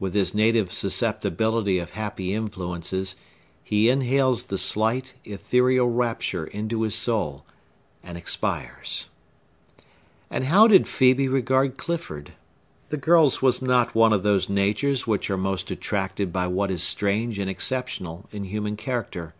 With his native susceptibility of happy influences, he inhales the slight, ethereal rapture into his soul, and expires! And how did Phœbe regard Clifford? The girl's was not one of those natures which are most attracted by what is strange and exceptional in human character.